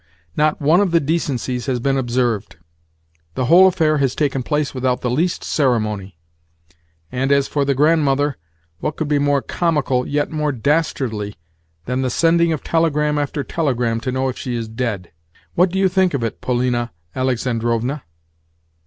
Not one of the decencies has been observed; the whole affair has taken place without the least ceremony. And as for the grandmother, what could be more comical, yet more dastardly, than the sending of telegram after telegram to know if she is dead? What do you think of it, Polina Alexandrovna?"